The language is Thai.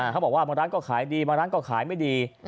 เขาบอกว่าบางร้านก็ขายดีบางร้านก็ขายไม่ดี